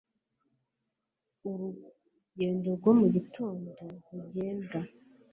urugendo rwo mu gitondo rugenda